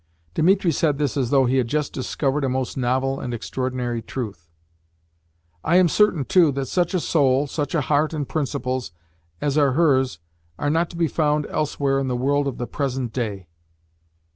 (Dimitri said this as though he had just discovered a most novel and extraordinary truth.) "I am certain, too, that such a soul, such a heart and principles, as are hers are not to be found elsewhere in the world of the present day."